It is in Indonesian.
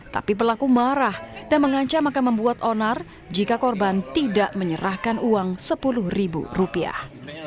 tapi pelaku marah dan mengancam akan membuat onar jika korban tidak menyerahkan uang sepuluh ribu rupiah